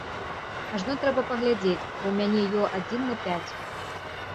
Ажно трэба паглядзець, бо ў мяне ё адзін на пяць.